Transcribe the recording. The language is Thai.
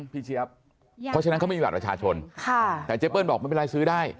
เจี๊ยบเพราะฉะนั้นเขาไม่มีบัตรประชาชนแต่เจ๊เปิ้ลบอกไม่เป็นไรซื้อได้